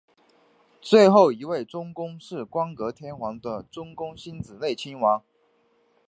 最后一位中宫是光格天皇的中宫欣子内亲王。